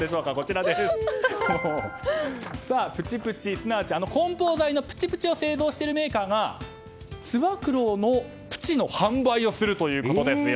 そして梱包材のプチプチを製造しているメーカーがつば九郎のプチの販売をするということです。